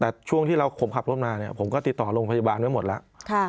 แต่ช่วงที่เราข่มขับร่วมนานเนี้ยผมก็ติดต่อโรงพยาบาลไว้หมดล่ะค่ะ